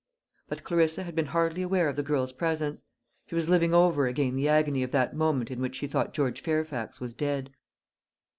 But Clarissa had been hardly aware of the girl's presence. She was living over again the agony of that moment in which she thought George Fairfax was dead.